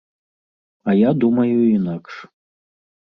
А я думаю інакш.